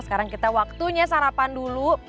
sekarang kita waktunya sarapan dulu